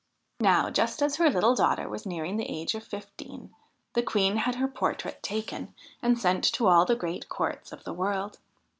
Now, just as her little daughter was nearing the age of fifteen, the Queen had her portrait taken and sent to all the great courts of the world.